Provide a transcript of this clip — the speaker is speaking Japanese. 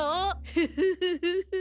フッフフフ。